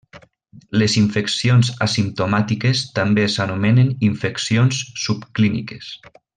Les infeccions asimptomàtiques també s'anomenen infeccions subclíniques.